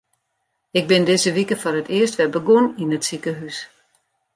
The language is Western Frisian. Ik bin dizze wike foar it earst wer begûn yn it sikehús.